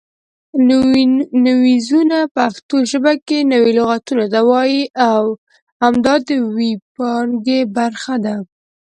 نویزونه پښتو ژبه کې نوي لغتونو ته وایي او همدا د وییپانګې برخه ده